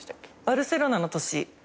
バルセロナの年。